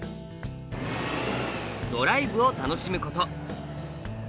ドライブを楽しむこと。